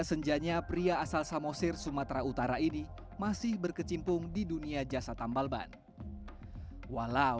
senjanya pria asal samosir sumatera utara ini masih berkecimpung di dunia jasa tambal ban walau